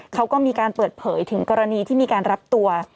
เขาก็มีการเปิดเผยถึงกรณีที่มีการรับตัว